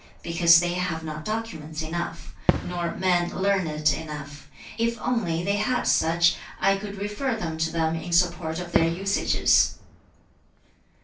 Because they have not documents enough, nor men learned enough. If only they had such, I could refer them to them in support of their usages.